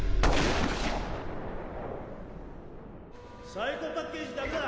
サイコ・パッケージだけだ。